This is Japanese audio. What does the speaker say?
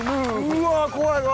うわっ怖いわ！